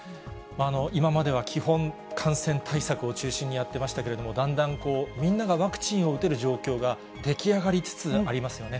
今までは基本感染対策を中心にやってましたけれども、だんだんみんながワクチンを打てる状況が出来上がりつつありますよね。